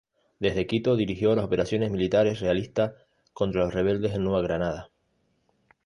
Desde Quito dirigió las operaciones militares realistas contra los rebeldes en Nueva Granada.